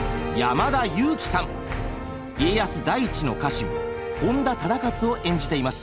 家康第一の家臣本多忠勝を演じています。